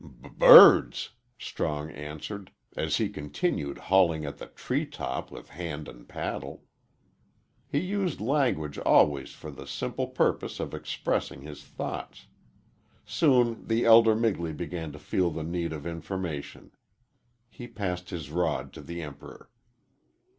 "B birds," Strong answered, as he continued hauling at the tree top with hand and paddle. He used language always for the simple purpose of expressing his thoughts. Soon the elder Migley began to feel the need of information. He passed his rod to the Emperor.